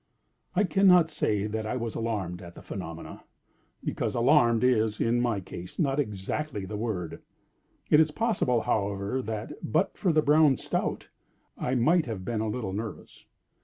I cannot say that I was alarmed at the phenomenon, because "alarmed" is, in my case, not exactly the word. It is possible, however, that, but for the Brown Stout, I might have been a little nervous.